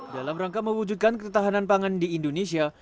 dalam rangka mewujudkan ketahanan pangan di indonesia